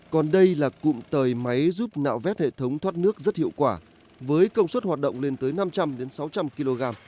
còn đây là cụm tời máy giúp nạo vét hệ thống thoát nước rất hiệu quả với công suất hoạt động lên tới năm trăm linh sáu trăm linh kg